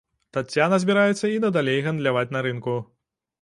Таццяна збіраецца і надалей гандляваць на рынку.